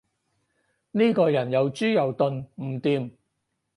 呢個人又豬又鈍，唔掂